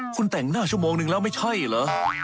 คุณแต่งหน้าชั่วโมงนึงแล้วไม่ใช่เหรอ